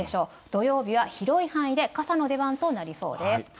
土曜日は広い範囲で傘の出番となりそうです。